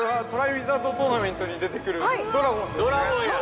ウィザード・トーナメントに出てくるドラゴンですね。